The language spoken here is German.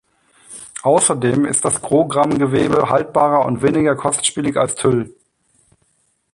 Außerdem ist das Grogram-Gewebe haltbarer und weniger kostspielig als Tüll.